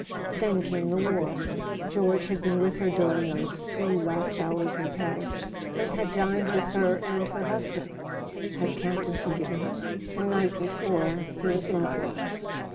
.. Then came the war. George had been with her dur¬ ing those few last hours in Paris, and had dined with her and her husband (had Campton forgiven her?) the night before he was mobilised.